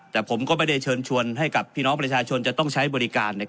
แต่ผมก็ไม่ได้เชิญชวนให้กับพี่น้องประชาชนจะต้องใช้บริการ